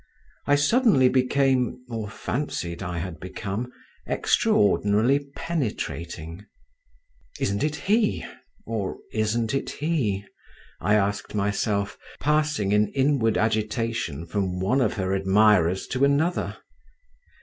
I suddenly became—or fancied I had become—extraordinarily penetrating. "Isn't it he? or isn't it he?" I asked myself, passing in inward agitation from one of her admirers to another.